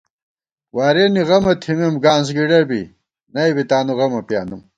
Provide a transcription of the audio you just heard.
وارِیَنی غَمہ تِھمېم گانسگِڈہ بی، نئ بی تانُو غمہ پیانُم